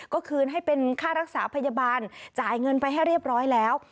ก็คืนให้เป็นค่ารักษาพยาบาลจ่ายเงินไปให้เรียบร้อยแล้ว